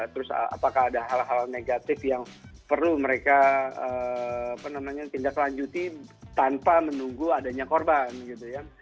terus apakah ada hal hal negatif yang perlu mereka tindak lanjuti tanpa menunggu adanya korban gitu ya